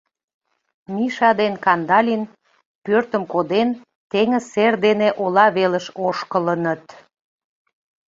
Миша ден Кандалин, пӧртым коден, теҥыз сер дене ола велыш ошкылыныт.